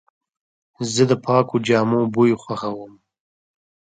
زه د پاکو جامو بوی خوښوم.